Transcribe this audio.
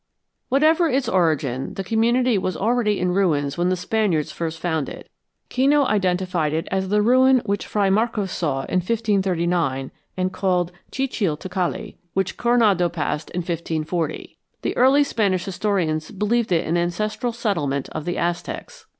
Whatever its origin, the community was already in ruins when the Spaniards first found it. Kino identified it as the ruin which Fray Marcos saw in 1539 and called Chichilticalli, and which Coronado passed in 1540. The early Spanish historians believed it an ancestral settlement of the Aztecs.